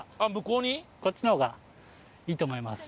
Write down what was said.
こっちの方がいいと思います。